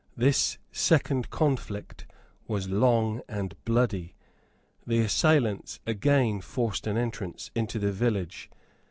This second conflict was long and bloody. The assailants again forced an entrance into the village.